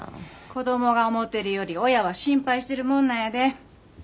子供が思てるより親は心配してるもんなんやで。